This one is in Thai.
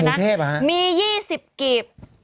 หมูเทพหรอฮะมี๒๐กีบ